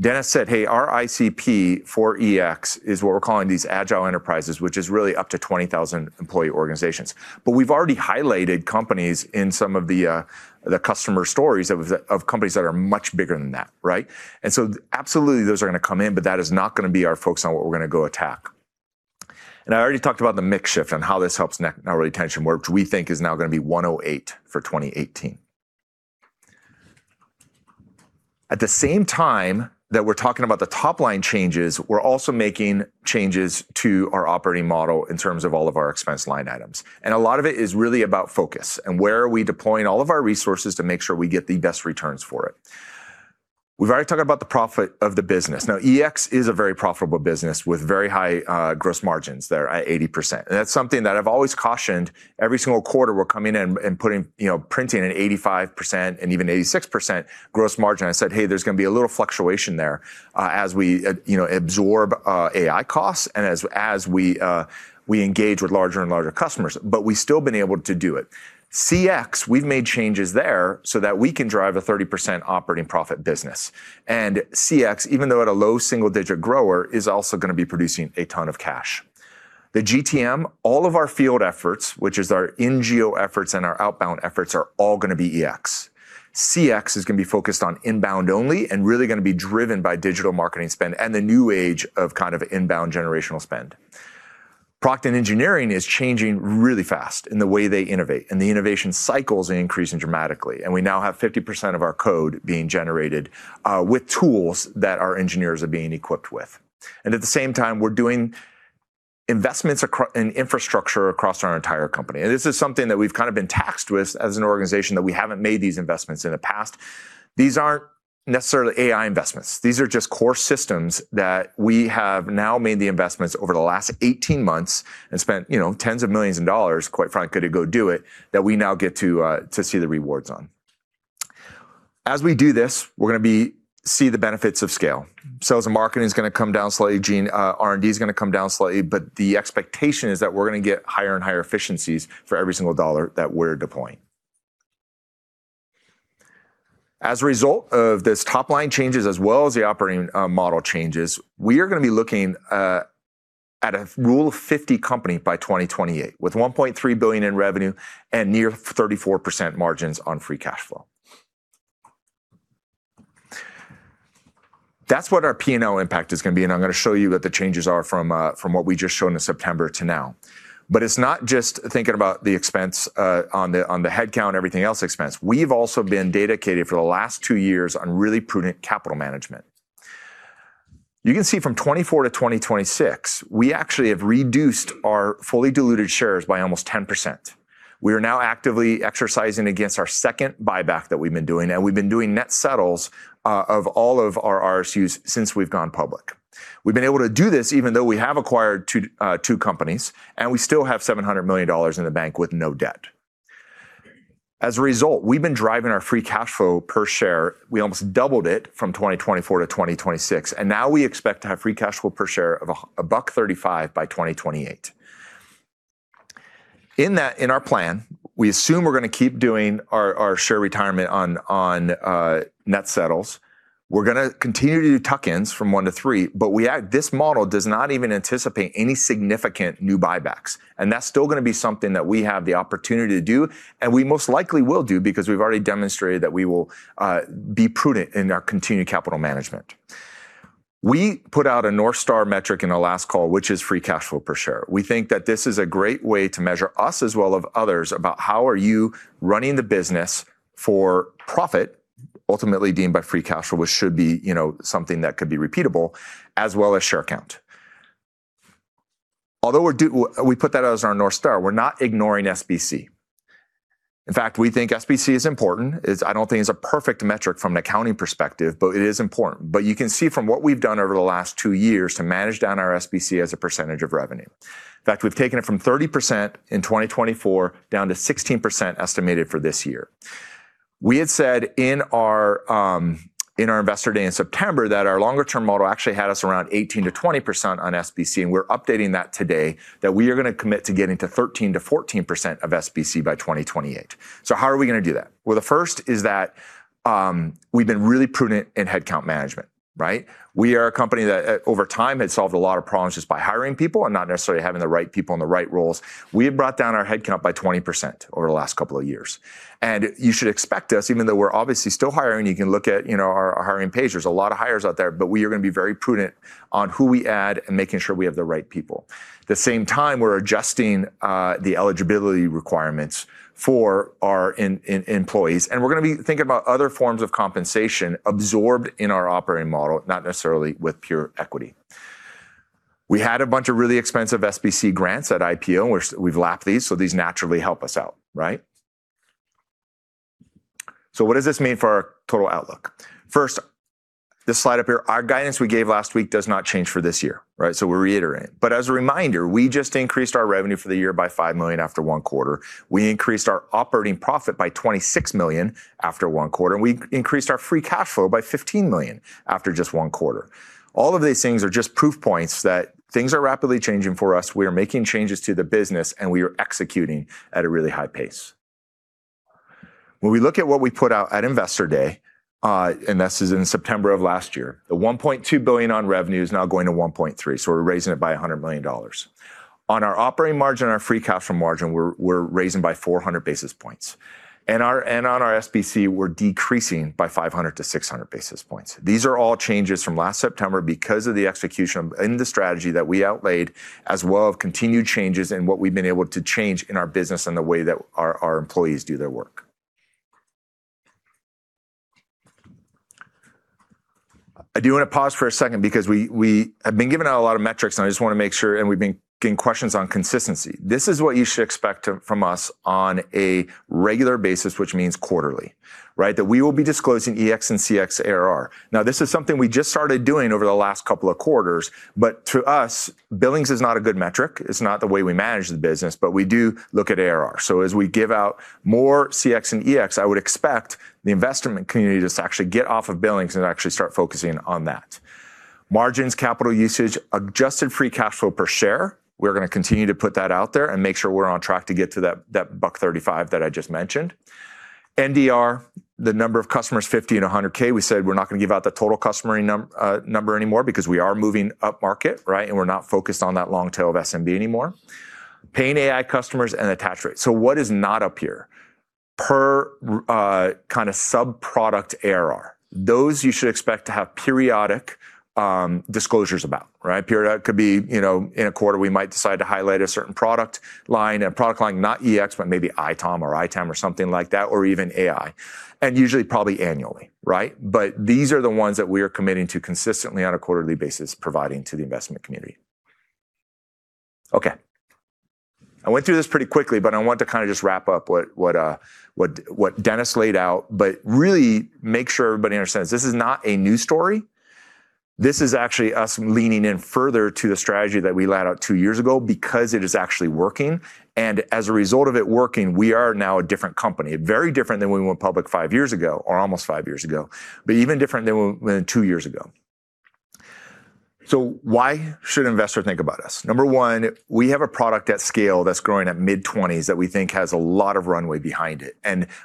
Dennis said, "Hey, our ICP for EX is what we're calling these agile enterprises," which is really up to 20,000 employee organizations. We've already highlighted companies in some of the the customer stories of companies that are much bigger than that, right? Absolutely, those are gonna come in, but that is not gonna be our focus on what we're gonna go attack. I already talked about the mix shift and how this helps net retention, which we think is now gonna be 108 for 2018. At the same time that we're talking about the top-line changes, we're also making changes to our operating model in terms of all of our expense line items. A lot of it is really about focus and where are we deploying all of our resources to make sure we get the best returns for it. We've already talked about the profit of the business. Now, EX is a very profitable business with very high gross margins. They're at 80%. That's something that I've always cautioned every single quarter we're coming in and putting, you know, printing an 85% and even 86% gross margin. I said, "Hey, there's gonna be a little fluctuation there as we, you know, absorb AI costs and as we engage with larger and larger customers." We've still been able to do it. CX, we've made changes there so that we can drive a 30% operating profit business. CX, even though at a low single digit grower, is also going to be producing a ton of cash. The GTM, all of our field efforts, which is our NGO efforts and our outbound efforts, are all going to be EX. CX is going to be focused on inbound only and really going to be driven by digital marketing spend and the new age of kind of inbound generational spend. Product and engineering is changing really fast in the way they innovate, the innovation cycles are increasing dramatically. We now have 50% of our code being generated with tools that our engineers are being equipped with. At the same time, we're doing investments in infrastructure across our entire company. This is something that we've kind of been taxed with as an organization that we haven't made these investments in the past. These aren't necessarily AI investments. These are just core systems that we have now made the investments over the last 18 months and spent, you know, 10's of millions of dollars, quite frankly, to go do it, that we now get to see the rewards on. As we do this, we're gonna see the benefits of scale. Sales and marketing is gonna come down slightly. R&D is gonna come down slightly, but the expectation is that we're gonna get higher and higher efficiencies for every single dollar that we're deploying. As a result of this top-line changes as well as the operating model changes, we are gonna be looking at a rule of 50 company by 2028, with $1.3 billion in revenue and near 34% margins on free cash flow. That's what our P&L impact is gonna be, and I'm gonna show you what the changes are from what we just showed in September to now. It's not just thinking about the expense on the headcount, everything else expense. We've also been dedicated for the last two years on really prudent capital management. You can see from 2024 to 2026, we actually have reduced our fully diluted shares by almost 10%. We are now actively exercising against our second buyback that we've been doing, and we've been doing net settles of all of our RSUs since we've gone public. We've been able to do this even though we have acquired two companies, and we still have $700 million in the bank with no debt. As a result, we've been driving our free cash flow per share. We almost doubled it from 2024 to 2026, and now we expect to have free cash flow per share of $1.35 by 2028. In our plan, we assume we're gonna keep doing our share retirement on net settles. We're gonna continue to do tuck-ins from one to three, but this model does not even anticipate any significant new buybacks, and that's still gonna be something that we have the opportunity to do, and we most likely will do because we've already demonstrated that we will be prudent in our continued capital management. We put out a North Star metric in the last call, which is free cash flow per share. We think that this is a great way to measure us as well of others about how are you running the business for profit, ultimately deemed by free cash flow, which should be, you know, something that could be repeatable, as well as share count. Although we put that out as our North Star, we're not ignoring SBC. In fact, we think SBC is important. I don't think it's a perfect metric from an accounting perspective, but it is important. You can see from what we've done over the last two years to manage down our SBC as a percent of revenue. In fact, we've taken it from 30% in 2024 down to 16% estimated for this year. We had said in our in our Investor Day in September that our longer-term model actually had us around 18%-20% on SBC, and we're updating that today that we are gonna commit to getting to 13%-14% of SBC by 2028. How are we gonna do that? Well, the first is that we've been really prudent in headcount management, right? We are a company that over time had solved a lot of problems just by hiring people and not necessarily having the right people in the right roles. We have brought down our headcount by 20% over the last couple of years. You should expect us, even though we're obviously still hiring, you can look at, you know, our hiring page, there's a lot of hires out there, but we are gonna be very prudent on who we add and making sure we have the right people. At the same time, we're adjusting the eligibility requirements for our employees, and we're gonna be thinking about other forms of compensation absorbed in our operating model, not necessarily with pure equity. We had a bunch of really expensive SBC grants at IPO, we've lapped these naturally help us out, right? What does this mean for our total outlook? First, this slide up here, our guidance we gave last week does not change for this year, right? We reiterate. As a reminder, we just increased our revenue for the year by $5 million after one quarter. We increased our operating profit by $26 million after one quarter, and we increased our free cash flow by $15 million after just one quarter. All of these things are just proof points that things are rapidly changing for us. We are making changes to the business, and we are executing at a really high pace. When we look at what we put out at Investor Day, and this is in September of last year, the $1.2 billion on revenue is now going to $1.3 billion, we're raising it by $100 million. On our operating margin and our free cash flow margin, we're raising by 400 basis points. On our SBC, we're decreasing by 500-600 basis points. These are all changes from last September because of the execution in the strategy that we outlaid, as well as continued changes in what we've been able to change in our business and the way that our employees do their work. I do wanna pause for a second because we have been giving out a lot of metrics, and I just wanna make sure, and we've been getting questions on consistency. This is what you should expect from us on a regular basis, which means quarterly, right? We will be disclosing EX and CX ARR. This is something we just started doing over the last couple quarters, but to us, billings is not a good metric. It's not the way we manage the business, but we do look at ARR. As we give out more CX and EX, I would expect the investment community to actually get off of billings and actually start focusing on that. Margins, capital usage, adjusted free cash flow per share, we're gonna continue to put that out there and make sure we're on track to get to that $1.35 that I just mentioned. NDR, the number of customers, 50K and 100K. We said we're not gonna give out the total customer number anymore because we are moving up market, right? We're not focused on that long tail of SMB anymore. Paying AI customers and attach rates. What is not up here? Per, kinda sub-product ARR. Those you should expect to have periodic disclosures about, right? It could be, you know, in a quarter, we might decide to highlight a certain product line. A product line, not EX, but maybe ITOM or ITAM or something like that, or even AI. Usually probably annually, right? These are the ones that we are committing to consistently on a quarterly basis providing to the investment community. Okay. I went through this pretty quickly, but I want to kinda just wrap up what Dennis laid out, but really make sure everybody understands this is not a new story. This is actually us leaning in further to the strategy that we laid out two years ago because it is actually working. As a result of it working, we are now a different company, very different than when we went public five years ago, or almost five years ago, but even different than when, than two years ago. Why should an investor think about us? Number one, we have a product at scale that's growing at mid-20s that we think has a lot of runway behind it.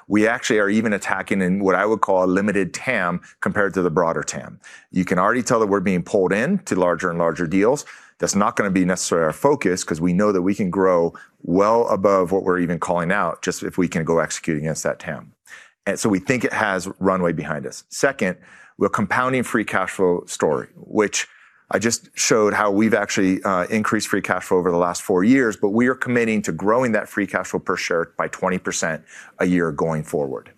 We actually are even attacking in what I would call a limited TAM compared to the broader TAM. You can already tell that we're being pulled in to larger and larger deals. That's not gonna be necessarily our focus 'cause we know that we can grow well above what we're even calling out, just if we can go execute against that TAM. We think it has runway behind us. We're compounding free cash flow story, which I just showed how we've actually increased free cash flow over the last four years, but we are committing to growing that free cash flow per share by 20% a year going forward.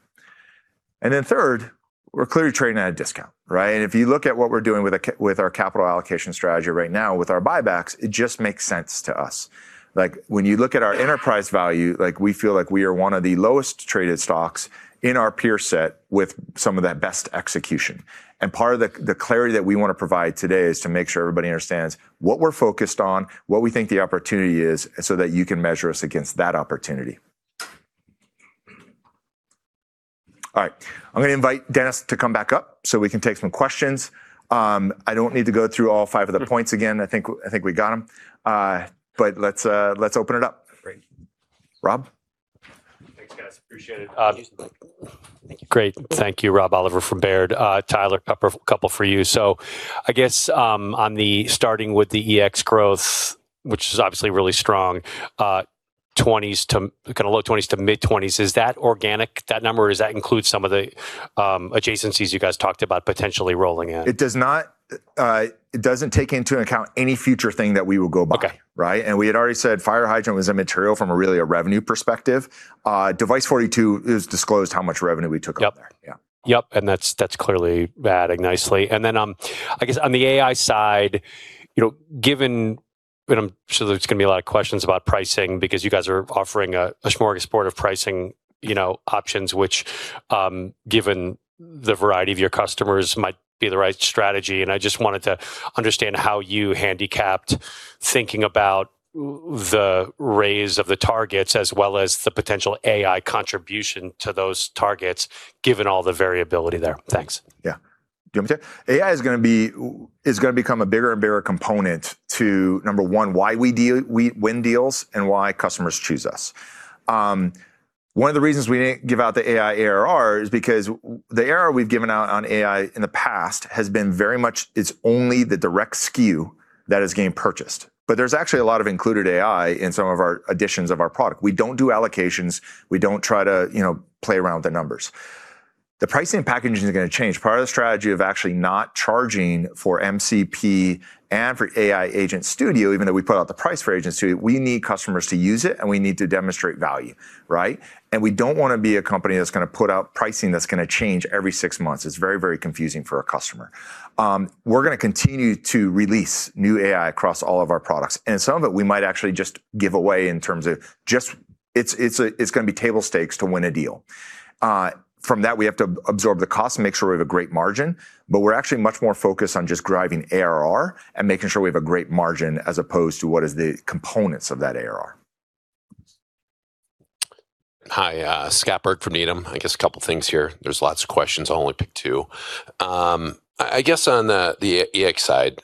Third, we're clearly trading at a discount, right? If you look at what we're doing with our capital allocation strategy right now, with our buybacks, it just makes sense to us. Like, when you look at our enterprise value, like, we feel like we are one of the lowest traded stocks in our peer set with some of that best execution. Part of the clarity that we wanna provide today is to make sure everybody understands what we're focused on, what we think the opportunity is, so that you can measure us against that opportunity. All right. I'm gonna invite Dennis to come back up so we can take some questions. I don't need to go through all five of the points again. I think we got them. Let's, let's open it up. Great. Rob? Thanks, guys. Appreciate it. Use the mic. Great. Thank you, Rob Oliver from Baird. Tyler, couple for you. I guess on the starting with the EX growth, which is obviously really strong, 20's to, kind of low 20's to mid-20's, is that organic, that number, or does that include some of the adjacencies you guys talked about potentially rolling in? It does not, it doesn't take into account any future thing that we would go buy. Okay. Right? We had already said FireHydrant was immaterial from a really a revenue perspective. Device42 has disclosed how much revenue we took up there. Yep. Yeah. Yep, that's clearly adding nicely. I guess on the AI side, you know, given I'm sure there's going to be a lot of questions about pricing because you guys are offering a smorgasbord of pricing, you know, options, which given the variety of your customers might be the right strategy, I just wanted to understand how you handicapped thinking about the raise of the targets as well as the potential AI contribution to those targets, given all the variability there. Thanks. Yeah. Do you want me to? AI is going to become a bigger and bigger component to, number one, why we win deals and why customers choose us. One of the reasons we didn't give out the AI ARR is because the ARR we've given out on AI in the past has been very much, it's only the direct SKU that is getting purchased. There's actually a lot of included AI in some of our editions of our product. We don't do allocations. We don't try to, you know, play around with the numbers. The pricing and packaging is going to change. Part of the strategy of actually not charging for MCP and for AI Agent Studio, even though we put out the price for Freddy AI Agent Studio, we need customers to use it, and we need to demonstrate value, right? We don't wanna be a company that's gonna put out pricing that's gonna change every six months. It's very, very confusing for a customer. We're gonna continue to release new AI across all of our products, and some of it we might actually just give away in terms of just it's gonna be table stakes to win a deal. From that, we have to absorb the cost and make sure we have a great margin, but we're actually much more focused on just driving ARR and making sure we have a great margin as opposed to what is the components of that ARR. Hi, Scott Berg from Needham. I guess couple things here. There's lots of questions. I'll only pick two. I guess on the EX side,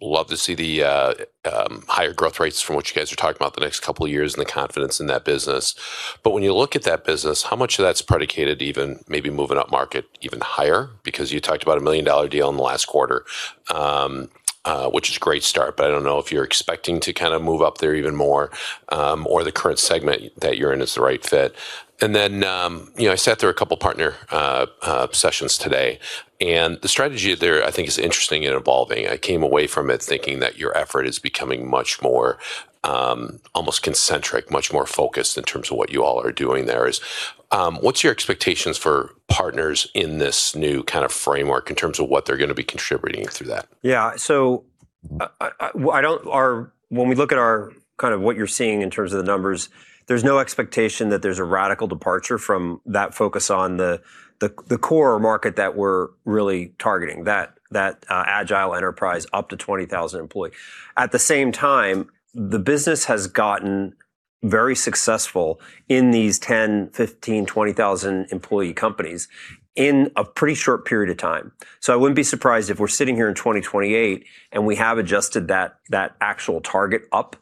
love to see the higher growth rates from what you guys are talking about the next couple years and the confidence in that business. When you look at that business, how much of that's predicated even maybe moving up market even higher? Because you talked about a $1 million deal in the last quarter, which is a great start, but I don't know if you're expecting to kinda move up there even more, or the current segment that you're in is the right fit. You know, I sat through a couple partner sessions today, and the strategy there I think is interesting and evolving. I came away from it thinking that your effort is becoming much more, almost concentric, much more focused in terms of what you all are doing there. What's your expectations for partners in this new kind of framework in terms of what they're gonna be contributing through that? I don't. When we look at our, kind of what you're seeing in terms of the numbers, there's no expectation that there's a radical departure from that focus on the core market that we're really targeting, that agile enterprise up to 20,000 employees. At the same time, the business has gotten very successful in these 10, 15, 20,000 employee companies in a pretty short period of time. I wouldn't be surprised if we're sitting here in 2028 and we have adjusted that actual target up.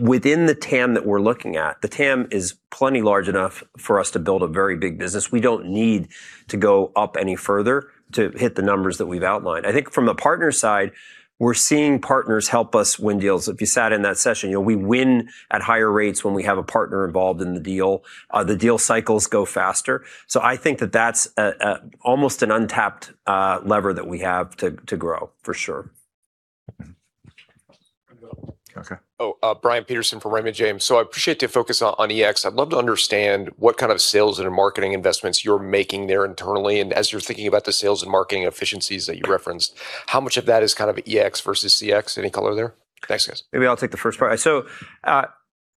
Within the TAM that we're looking at, the TAM is plenty large enough for us to build a very big business. We don't need to go up any further to hit the numbers that we've outlined. I think from a partner side, we're seeing partners help us win deals. If you sat in that session, you know, we win at higher rates when we have a partner involved in the deal. The deal cycles go faster. I think that that's almost an untapped lever that we have to grow, for sure. Okay. Brian Peterson from Raymond James. I appreciate the focus on EX. I'd love to understand what kind of sales and marketing investments you're making there internally. As you're thinking about the sales and marketing efficiencies that you referenced, how much of that is kind of EX versus CX? Any color there? Thanks, guys. Maybe I'll take the first part.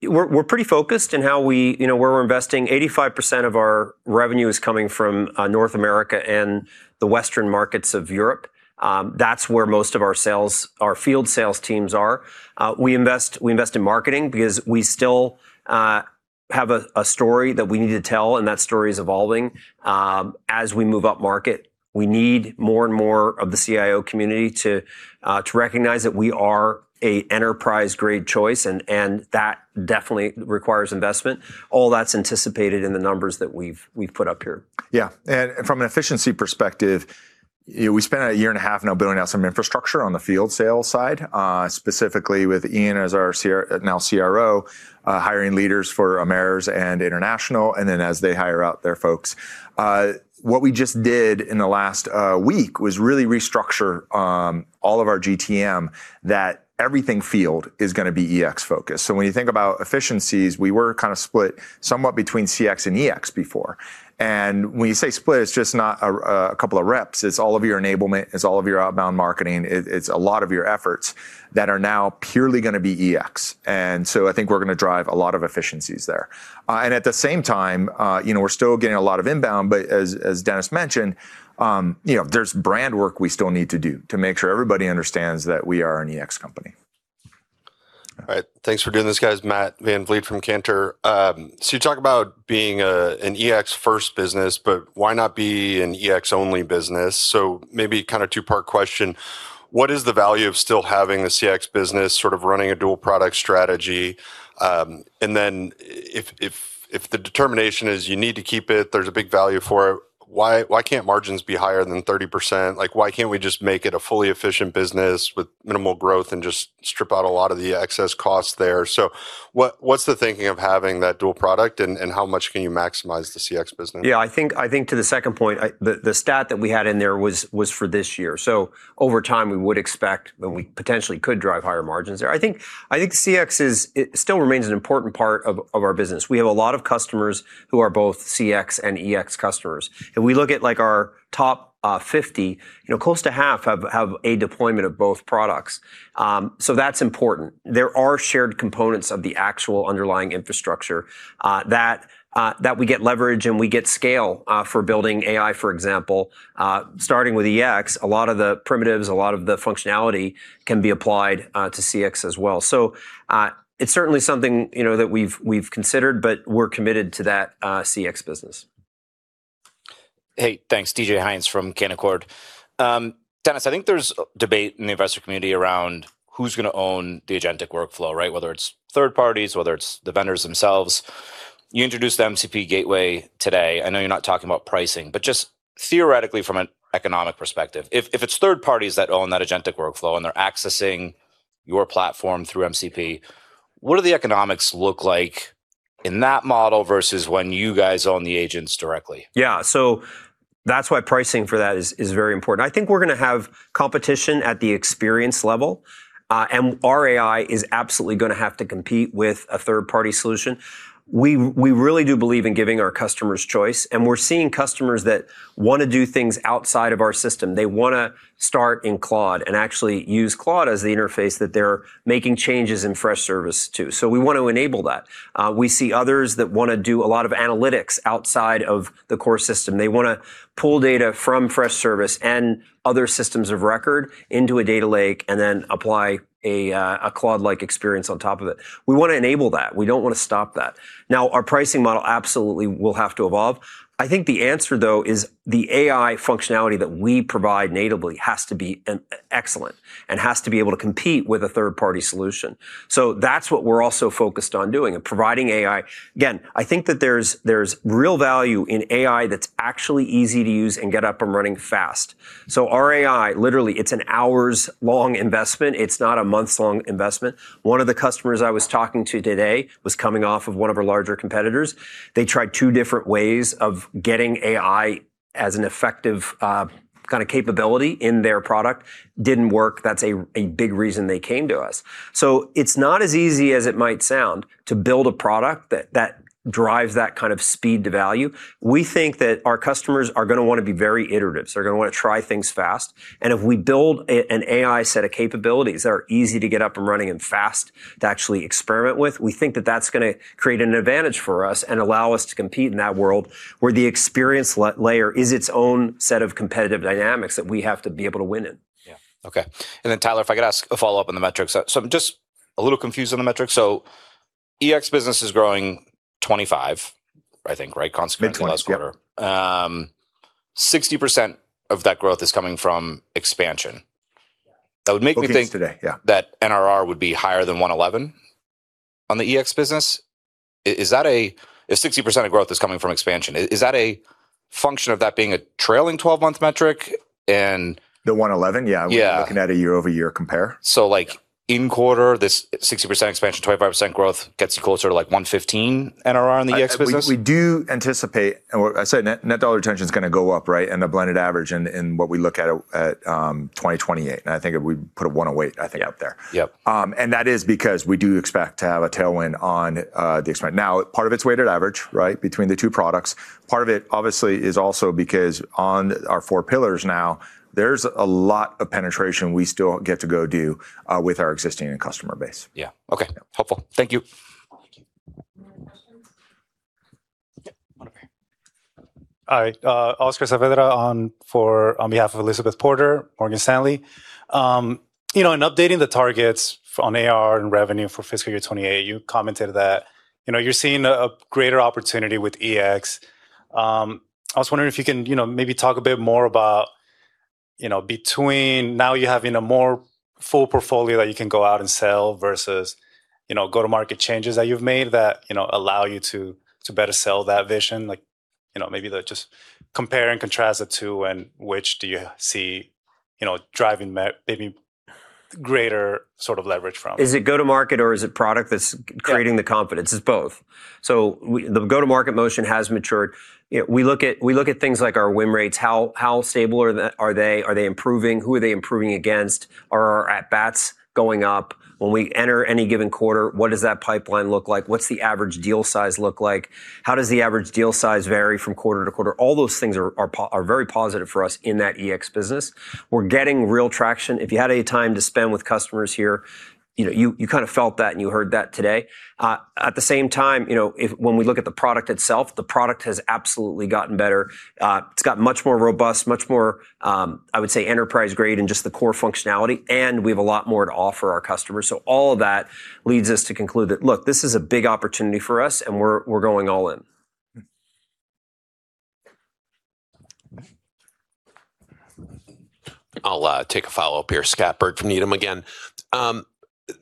We're pretty focused in how we, you know, where we're investing. 85% of our revenue is coming from North America and the Western markets of Europe. That's where most of our sales, our field sales teams are. We invest in marketing because we still have a story that we need to tell, and that story is evolving. As we move up market, we need more and more of the CIO community to recognize that we are a enterprise-grade choice, and that definitely requires investment. All that's anticipated in the numbers that we've put up here. Yeah. From an efficiency perspective, you know, we spent a year and a half now building out some infrastructure on the field sales side, specifically with Ian as our CRO, hiring leaders for Americas and International, and then as they hire out their folks. What we just did in the last week was really restructure all of our GTM, that everything field is gonna be EX-focused. When you think about efficiencies, we were kinda split somewhat between CX and EX before. When you say split, it's just not a couple of reps, it's all of your enablement, it's all of your outbound marketing. It's a lot of your efforts that are now purely gonna be EX. I think we're gonna drive a lot of efficiencies there. At the same time, you know, we're still getting a lot of inbound, but as Dennis mentioned, you know, there's brand work we still need to do to make sure everybody understands that we are an EX company. All right. Thanks for doing this, guys. Matthew VanVliet from Cantor. You talk about being an EX-first business, but why not be an EX-only business? Maybe a two-part question. What is the value of still having the CX business sort of running a dual product strategy? If the determination is you need to keep it, there's a big value for it, why can't margins be higher than 30%? Like, why can't we just make it a fully efficient business with minimal growth and just strip out a lot of the excess costs there? What's the thinking of having that dual product, and how much can you maximize the CX business? I think to the second point, the stat that we had in there was for this year. Over time, we would expect that we potentially could drive higher margins there. I think CX it still remains an important part of our business. We have a lot of customers who are both CX and EX customers. If we look at, like, our top 50, you know, close to half have a deployment of both products. That's important. There are shared components of the actual underlying infrastructure that we get leverage and we get scale for building AI, for example. Starting with EX, a lot of the primitives, a lot of the functionality can be applied to CX as well. It's certainly something, you know, that we've considered, but we're committed to that, CX business. Hey, thanks. DJ Hynes from Canaccord. Dennis, I think there's a debate in the investor community around who's gonna own the agentic workflow, right? Whether it's third parties, whether it's the vendors themselves. You introduced the MCP gateway today. I know you're not talking about pricing, but just theoretically from an economic perspective, if it's third parties that own that agentic workflow and they're accessing your platform through MCP, what do the economics look like in that model versus when you guys own the agents directly? Yeah. That's why pricing for that is very important. I think we're gonna have competition at the experience level, and our AI is absolutely gonna have to compete with a third-party solution. We really do believe in giving our customers choice, and we're seeing customers that wanna do things outside of our system. They wanna start in Claude and actually use Claude as the interface that they're making changes in Freshservice too. We want to enable that. We see others that wanna do a lot of analytics outside of the core system. They wanna pull data from Freshservice and other systems of record into a data lake and then apply a Claude-like experience on top of it. We wanna enable that. We don't wanna stop that. Now, our pricing model absolutely will have to evolve. I think the answer, though, is the AI functionality that we provide natively has to be excellent and has to be able to compete with a third-party solution. That's what we're also focused on doing, providing AI. Again, I think that there's real value in AI that's actually easy to use and get up and running fast. Our AI, literally, it's an hours-long investment. It's not a months-long investment. One of the customers I was talking to today was coming off of one of our larger competitors. They tried two different ways of getting AI as an effective, kinda capability in their product. Didn't work. That's a big reason they came to us. It's not as easy as it might sound to build a product that drives that kind of speed to value. We think that our customers are gonna wanna be very iterative. They're gonna wanna try things fast. If we build an AI set of capabilities that are easy to get up and running and fast to actually experiment with, we think that that's gonna create an advantage for us and allow us to compete in that world where the experience layer is its own set of competitive dynamics that we have to be able to win in. Yeah. Okay. Tyler, if I could ask a follow-up on the metrics. I'm just a little confused on the metrics. EX business is growing 25, I think, right? Mid-20's, yep. Last quarter. 60% of that growth is coming from expansion. Yeah. That would make me think. Bookings today, yeah. That NRR would be higher than 111 on the EX business. If 60% of growth is coming from expansion, is that a function of that being a trailing 12-month metric? The 111? Yeah. Yeah. We're looking at a year-over-year compare. In quarter, this 60% expansion, 25% growth gets you closer to 115 NRR on the EX business? We do anticipate, or I'd say net dollar retention's gonna go up, right, and the blended average in what we look at 2028. I think we put a 108, I think, out there. Yep. That is because we do expect to have a tailwind on the expansion. Now, part of it's weighted average, right, between the two products. Part of it obviously is also because on our four pillars now, there's a lot of penetration we still get to go do with our existing customer base. Yeah. Okay. Helpful. Thank you. Thank you. Any more questions? Yep. One over here. All right. Oscar Saavedra on behalf of Elizabeth Porter, Morgan Stanley. You know, in updating the targets on ARR and revenue for fiscal year 2028, you commented that, you know, you're seeing a greater opportunity with EX. I was wondering if you can, you know, maybe talk a bit more about, you know, between now you have, you know, more full portfolio that you can go out and sell versus, you know, go-to-market changes that you've made that, you know, allow you to better sell that vision. Like, you know, just compare and contrast the two, and which do you see, you know, driving maybe greater sort of leverage from? Is it go-to-market or is it product that's. Yeah. Creating the confidence? It's both. The go-to-market motion has matured. You know, we look at things like our win rates, how stable are they? Are they improving? Who are they improving against? Are our at-bats going up? When we enter any given quarter, what does that pipeline look like? What's the average deal size look like? How does the average deal size vary from quarter to quarter? All those things are very positive for us in that EX business. We're getting real traction. If you had any time to spend with customers here, you know, you kinda felt that and you heard that today. At the same time, you know, when we look at the product itself, the product has absolutely gotten better. It's got much more robust, much more, I would say, enterprise-grade in just the core functionality, and we have a lot more to offer our customers. All of that leads us to conclude that, look, this is a big opportunity for us, and we're going all in. I'll take a follow-up here. Scott Berg from Needham again.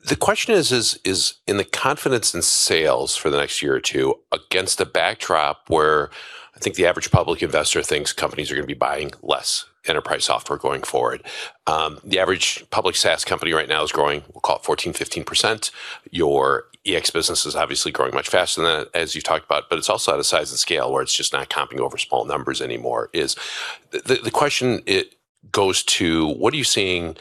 The question is in the confidence in sales for the next or two against a backdrop where I think the average public investor thinks companies are gonna be buying less enterprise software going forward. The average public SaaS company right now is growing, we'll call it 14%, 15%. Your EX business is obviously growing much faster than that, as you've talked about, but it's also at a size and scale where it's just not comping over small numbers anymore. The question it goes to, what are you seeing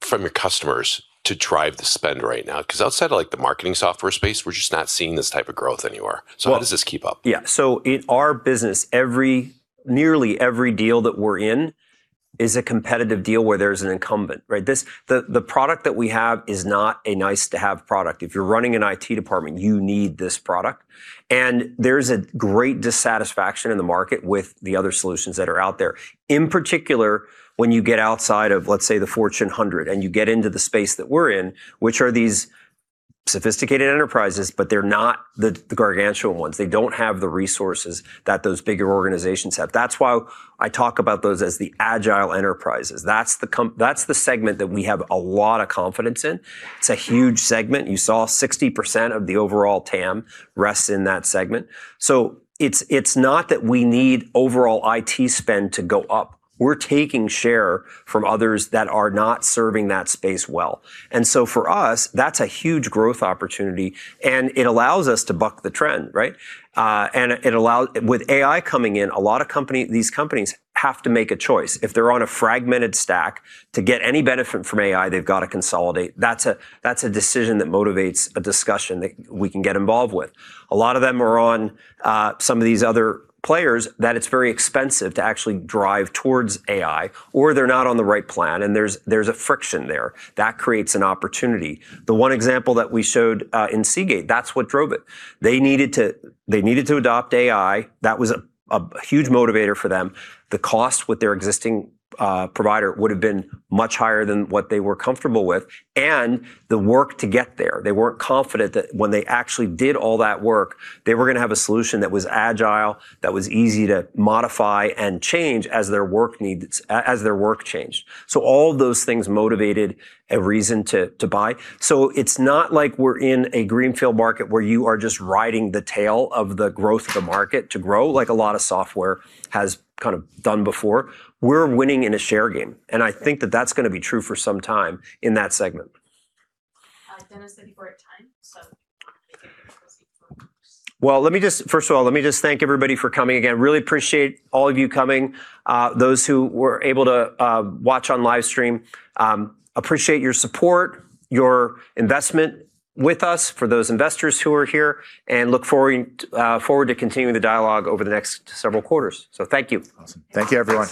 from your customers to drive the spend right now? 'Cause outside of, like, the marketing software space, we're just not seeing this type of growth anywhere. Well. How does this keep up? In our business, nearly every deal that we're in is a competitive deal where there's an incumbent. The product that we have is not a nice-to-have product. If you're running an IT department, you need this product, and there's a great dissatisfaction in the market with the other solutions that are out there. In particular, when you get outside of, let's say, the Fortune 100, and you get into the space that we're in, which are these sophisticated enterprises, but they're not the gargantuan ones. They don't have the resources that those bigger organizations have. That's why I talk about those as the agile enterprises. That's the segment that we have a lot of confidence in. It's a huge segment. You saw 60% of the overall TAM rests in that segment. It's, it's not that we need overall IT spend to go up. We're taking share from others that are not serving that space well. For us, that's a huge growth opportunity, and it allows us to buck the trend, right? With AI coming in, a lot of these companies have to make a choice. If they're on a fragmented stack, to get any benefit from AI, they've gotta consolidate. That's a decision that motivates a discussion that we can get involved with. A lot of them are on some of these other players that it's very expensive to actually drive towards AI, or they're not on the right plan and there's a friction there. That creates an opportunity. The one example that we showed in Seagate, that's what drove it. They needed to adopt AI. That was a huge motivator for them. The cost with their existing provider would've been much higher than what they were comfortable with, and the work to get there. They weren't confident that when they actually did all that work, they were gonna have a solution that was agile, that was easy to modify and change as their work changed. All of those things motivated a reason to buy. It's not like we're in a greenfield market where you are just riding the tail of the growth of the market to grow, like a lot of software has kind of done before. We're winning in a share game, and I think that that's gonna be true for some time in that segment. Dennis, we're at time. Well, first of all, let me just thank everybody for coming again. Really appreciate all of you coming. Those who were able to watch on live stream, appreciate your support, your investment with us, for those investors who are here, and look forward to continuing the dialogue over the next several quarters. Thank you. Awesome. Thank you, everyone.